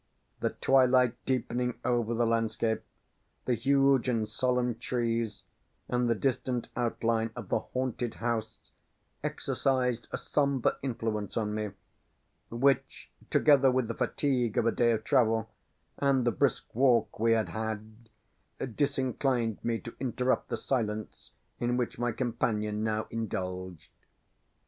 The twilight deepening over the landscape, the huge and solemn trees, and the distant outline of the haunted house, exercised a sombre influence on me, which, together with the fatigue of a day of travel, and the brisk walk we had had, disinclined me to interrupt the silence in which my companion now indulged.